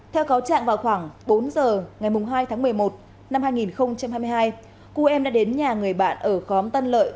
theo cáo trạng vào khoảng bốn giờ ngày hai tháng một mươi một năm hai nghìn hai mươi hai cô em đã đến nhà người bạn ở khóm tân lợi